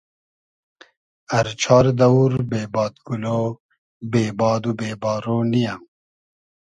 ار چار دئوور بې بادگولۉ ، بې باد و بې بارۉ نییۂ